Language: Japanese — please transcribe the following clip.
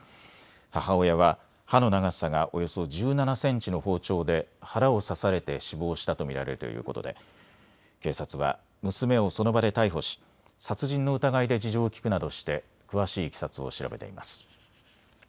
母親は刃の長さがおよそ１７センチの包丁で腹を刺されて死亡したと見られるということで警察は娘をその場で逮捕し殺人の疑いで事情を聞くなどして詳しいいきさつを調べています。